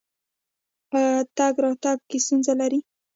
ایا تګ راتګ کې ستونزه لرئ؟